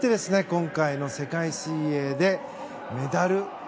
今回の世界水泳でメダル。